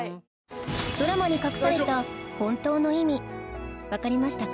ドラマに隠された本当の意味わかりましたか？